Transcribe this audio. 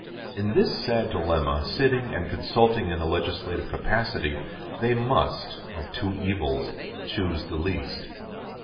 In this sad dilemma, sitting and consulting in a legislative capacity, they must, of two evils, choose the least.